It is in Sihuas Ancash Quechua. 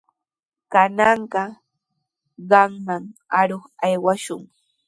Kananqa qamman aruq aywashun.